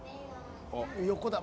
横だ。